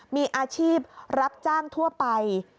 มีอาชีพรับจ้างทั่วไป